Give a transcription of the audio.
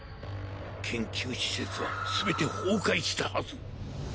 研究施設は全て崩壊したはず。